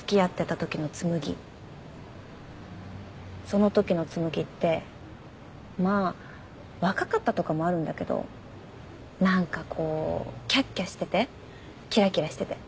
そのときの紬ってまあ若かったとかもあるんだけど何かこうキャッキャしててキラキラしてて。